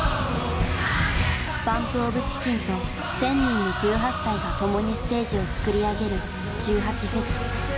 ＢＵＭＰＯＦＣＨＩＣＫＥＮと１，０００人の１８歳が共にステージを作り上げる１８祭。